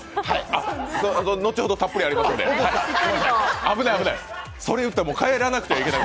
後ほどたっぷりありますので、危ない、危ない！